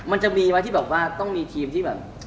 มันจะมีไหมที่แบบว่าต้องมีทีมที่แบบ